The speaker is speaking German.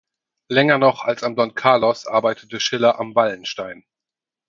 Länger noch als am Don Carlos arbeitete Schiller am Wallenstein.